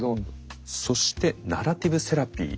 そしてナラティブ・セラピー。